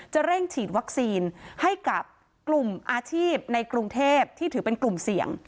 เร่งฉีดวัคซีนให้กับกลุ่มอาชีพในกรุงเทพที่ถือเป็นกลุ่มเสี่ยง